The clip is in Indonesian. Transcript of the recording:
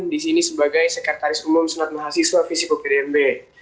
disini sebagai sekretaris umum senat mahasiswa visipo pdmb